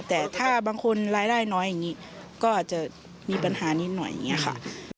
แต่ถ้าบางคนรายได้น้อยอย่างนี้ก็อาจจะมีปัญหานิดหน่อยอย่างนี้ค่ะ